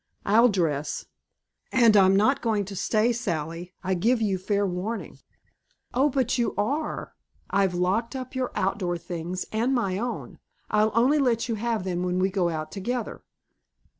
"I'll dress. And I'm not going to stay, Sally. I give you fair warning." "Oh, but you are. I've locked up your outdoor things and my own! I'll only let you have them when we go out together."